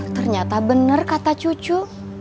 ternyata bener kata cucu